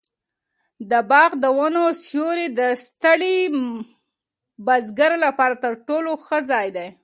د باغ د ونو سیوری د ستړي بزګر لپاره تر ټولو ښه ځای دی.